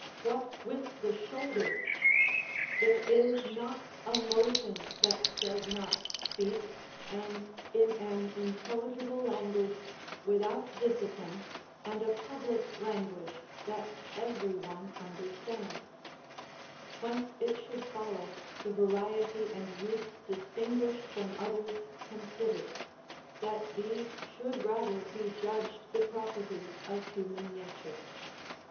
what with the shoulders! There is not a motion that does not speak, and in an intelligible language without discipline, and a public language that every one understands: whence it should follow, the variety and use distinguished from others considered, that these should rather be judged the property of human nature.